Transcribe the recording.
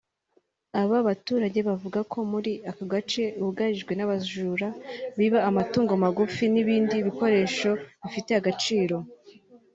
Aba baturage bavuga ko muri ako gace bugarijwe n’abajura biba amatungo magufi n’ibindi bikoresho bifite agaciro